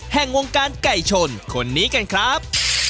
แห่งวงการไก่ชนคนนี้กันครับ